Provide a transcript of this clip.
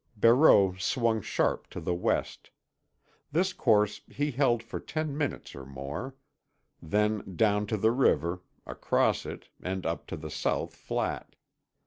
Barreau swung sharp to the west. This course he held for ten minutes or more. Then down to the river, across it and up to the south flat.